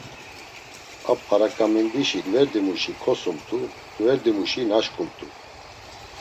A p̌araǩamindişi gverdimuşi kosumt̆u, gverdimuşi naşǩumt̆u.